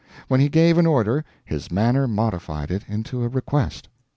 When he gave an order, his manner modified it into a request.